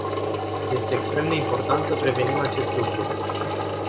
Este extrem de important să prevenim acest lucru.